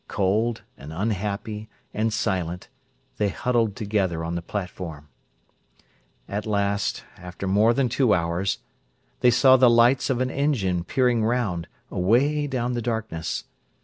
Cold, and unhappy, and silent, they huddled together on the platform. At last, after more than two hours, they saw the lights of an engine peering round, away down the darkness.